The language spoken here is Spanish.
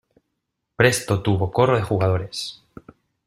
presto tuvo corro de jugadores.